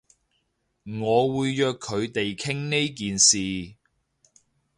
我會約佢哋傾呢件事